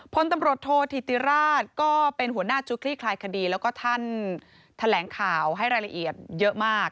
พลตำรวจโทษธิติราชก็เป็นหัวหน้าชุดคลี่คลายคดีแล้วก็ท่านแถลงข่าวให้รายละเอียดเยอะมาก